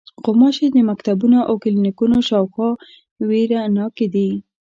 غوماشې د مکتبونو او کلینیکونو شاوخوا وېره ناکې دي.